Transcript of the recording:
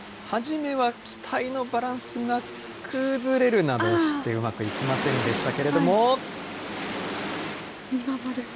初めは機体のバランスが崩れるなどして、うまくいきませんでしたけれども。